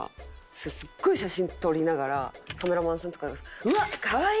すっごい写真撮りながらカメラマンさんとかが「うわ！可愛い！」